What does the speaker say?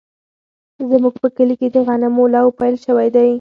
زموږ په کلي کې د غنمو لو پیل شوی دی.